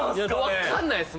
分かんないです